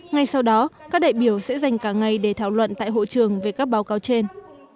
ngay sau đó các đại biểu sẽ dành cả ngày để thảo luận tại hội trường về các báo cáo trên